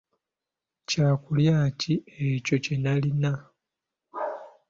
Kyakulya ki ekyo kye nnalina?